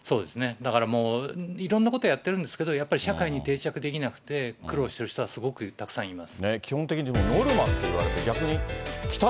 だからもう、いろんなことやってるんですけど、やっぱり社会に定着できなくて、苦労してる人は、すごくたくさんいます。